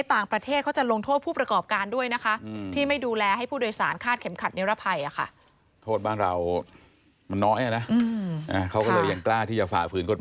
ยังไม่มากพอ